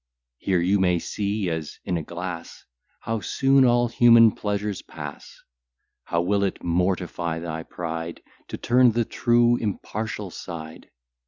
Here you may see, as in a glass, How soon all human pleasures pass; How will it mortify thy pride, To turn the true impartial side!